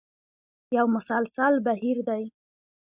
یو مسلسل بهیر دی.